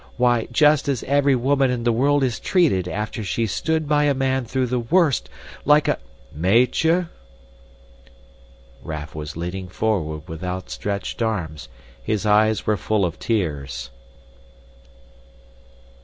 Why, just as every woman in the world is treated after she's stood by a man through the worst, like a " "Meitje!" Raff was leaning forward with outstretched arms. His eyes were full of tears.